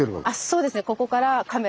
そうですね。